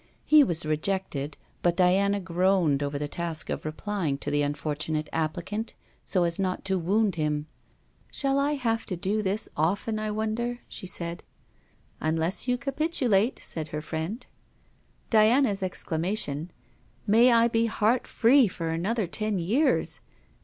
He was rejected, but Diana groaned over the task of replying to the unfortunate applicant, so as not to wound him. 'Shall I have to do this often, I wonder?' she said. 'Unless you capitulate,' said her friend. Diana's exclamation: 'May I be heart free for another ten years!'